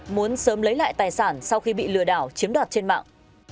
muốn sớm lấy lại tài sản sau khi bị lừa đảo chiếm đoạt trên mạng